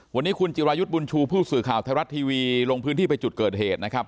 วันนี้คุณจิรายุทธ์บุญชูผู้สื่อข่าวไทยรัฐทีวีลงพื้นที่ไปจุดเกิดเหตุนะครับ